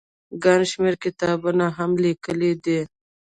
ګڼ شمېر کتابونه هم ليکلي دي